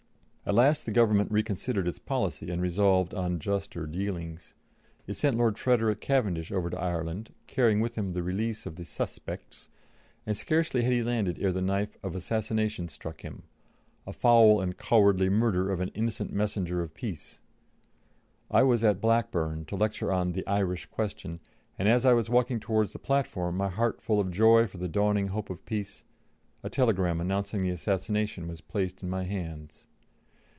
At last the Government reconsidered its policy and resolved on juster dealings; it sent Lord Frederick Cavendish over to Ireland, carrying with him the release of the "suspects," and scarcely had he landed ere the knife of assassination struck him a foul and cowardly murder of an innocent messenger of peace. I was at Blackburn, to lecture on "The Irish Question," and as I was walking towards the platform, my heart full of joy for the dawning hope of peace, a telegram announcing the assassination was placed in my hands.